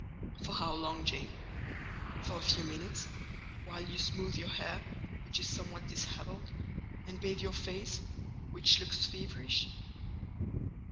"For how long, Jane? For a few minutes, while you smooth your hair—which is somewhat dishevelled; and bathe your face—which looks feverish?"